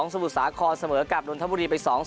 สมุทรสาครเสมอกับนนทบุรีไป๒๐